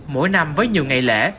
mỗi năm với nhiều ngày lễ